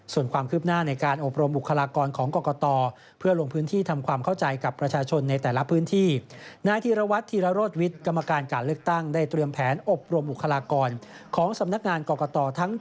ส่วนความคลิบหน้าในการอบรมอุคลากรของกรกต